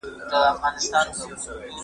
زه اوږده وخت بوټونه پاکوم.